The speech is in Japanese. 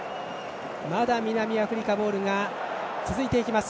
まだ南アフリカボールが続いていきます。